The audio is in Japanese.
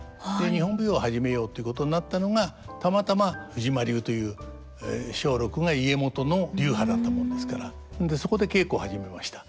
日本舞踊を始めようということになったのがたまたま藤間流という松緑が家元の流派だったもんですからそこで稽古を始めました。